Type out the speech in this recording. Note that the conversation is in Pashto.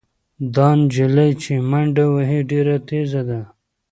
دا نجلۍ چې منډه وهي ډېره تېزه ده.